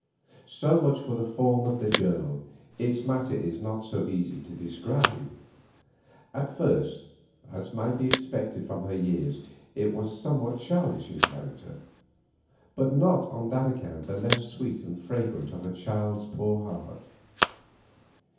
So much for the form of the journal, its matter is not so easy to describe. At first, as might be expected from her years, it was somewhat childish in character, but not on that account the less sweet and fragrant of a child's poor heart.